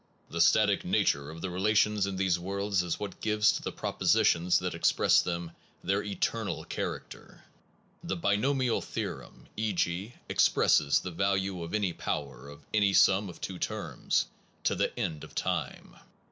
The static nature of the relations in these worlds is what gives to the propositions that express them their eter nal character: The binomial theorem, e. g., expresses the value of any power of any sum of two terms, to the end of time.